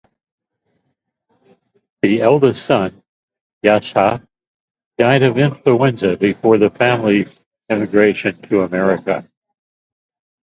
His eldest son, Yasha, died of influenza before the family's emigration to America.